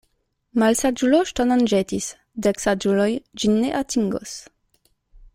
Malsaĝulo ŝtonon ĵetis, dek saĝuloj ĝin ne atingos.